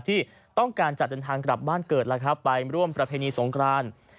ที่ต้องการจัดเดินทางกลับบ้านเกิดแล้วครับไปร่วมประเพณีสงคราน